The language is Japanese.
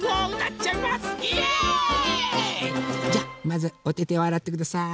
じゃまずおててをあらってください。